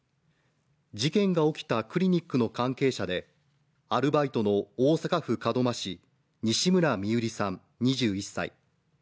事件が起きたクリニックの関係者でアルバイトの大阪府門真市、西村美夕璃さん２１歳。